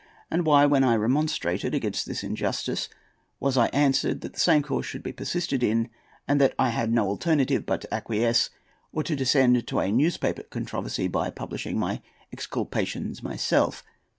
And why, when I remonstrated against this injustice, was I answered that the same course should be persisted in, and that I had no alternative but to acquiesce, or to descend to a newspaper controversy by publishing my exculpations myself?